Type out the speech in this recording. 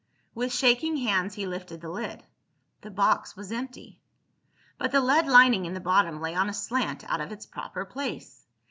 With shaking hands he lifted the lid. The box was empty. But the lead lining in the bottom lay on a slant out of its proper place.